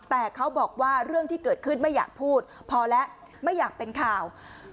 แต่เขาบอกว่าเรื่องที่เกิดขึ้นไม่อยากพูดพอแล้วไม่อยากเป็นข่าว